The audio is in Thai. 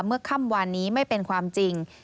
เมื่อค่ำวานนี้ไม่เป็นความจริง